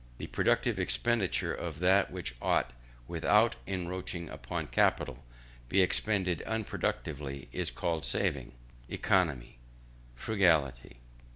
The productive expenditure of that which might, without encroaching upon capital, be expended unproductively, is called saving, economy, frugality.